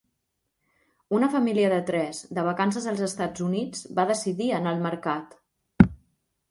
Una família de tres, de vacances als Estats Units, va decidir anar al mercat.